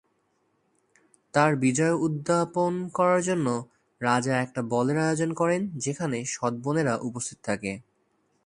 তার বিজয় উদ্যাপন করার জন্য, রাজা একটা বলের আয়োজন করেন, যেখানে সৎবোনেরা উপস্থিত থাকে।